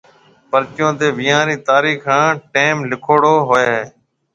پرچيون تيَ وينيان رِي تاريخ ھان ٽيئم لکوڙو ھوئيَ ھيََََ